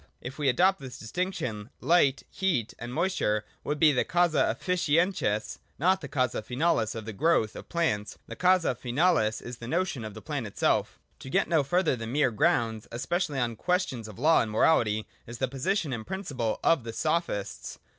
If we adopt this distinction, light, heat, and moisture would be the causae efftcientes, not the causa finalis of the growth of plants : the causa finalis is the notion of the plant itself. To get no further than mere grounds, especially on ques tions of law and morality, is the position and principle of the Sophists.